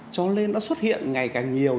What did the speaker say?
cho nên nó xuất hiện ngày càng nhiều